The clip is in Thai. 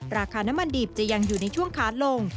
ราคาน้ำมันดิบจะยังอยู่ในช่วงขาลง